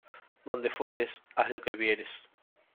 Donde fueres, haz lo que vieres